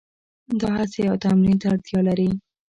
دا هڅې او تمرین ته اړتیا لري.